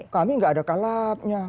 kami enggak ada kalapnya